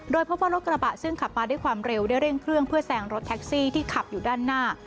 โดยพบว่ารถกระบะซึ่งขับมาด้วยความเร็วได้เร่งเครื่องเพื่อแซงรถแท็กซี่ที่ขับอยู่ด้านหน้า